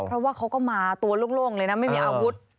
เพราะว่าเขาก็มาตัวโล่งเลยนะไม่มีอาวุธ